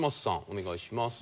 お願いします。